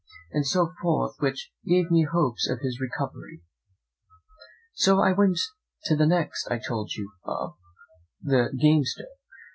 and so forth; which gave me hopes of his recovery. So I went to the next I told you of, the gamester.